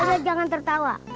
hei pak zed jangan tertawa